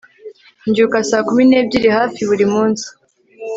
mbyuka saa kumi n'ebyiri hafi buri munsi